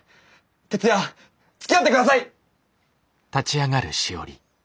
徹夜つきあって下さい！